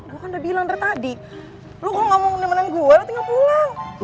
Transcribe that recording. gue kan udah bilang dari tadi lo kalo gak mau nemenin gue lo tinggal pulang